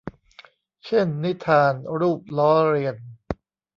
เช่น นิทาน รูปล้อเลียน